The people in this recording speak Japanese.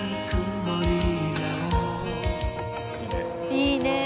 いいねえ。